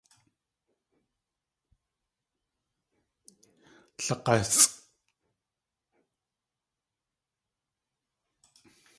Lag̲ásʼ!